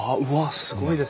すごいですね！